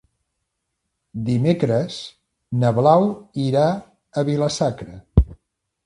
Dimecres na Blau irà a Vila-sacra.